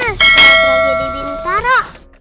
ada tragedi di mutara